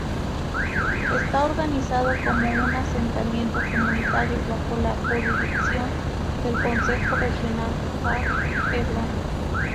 Está organizado como un asentamiento comunitario bajo la jurisdicción del Concejo Regional Har Hebron.